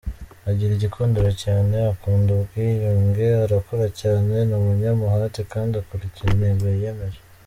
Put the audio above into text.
Agira igikundiro cyane, akunda ubwiyunge, arakora cyane, ni umunyamuhate kandi akurikira intego yiyemeje.